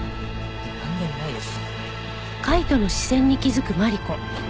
なんでもないです。